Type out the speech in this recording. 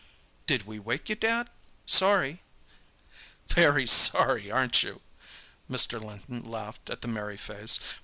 "Did we wake you, Dad?—sorry." "Very sorry, aren't you?" Mr. Linton laughed at the merry face.